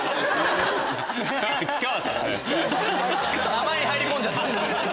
名前に入り込んじゃった！